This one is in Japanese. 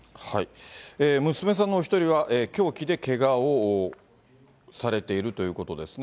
娘さんのお１人は、凶器でけがをされているということですね。